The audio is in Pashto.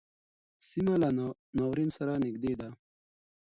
سیمه له ناورین سره نږدې ده.